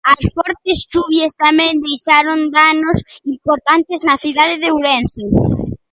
As fortes chuvias tamén deixaron danos importantes na cidade de Ourense.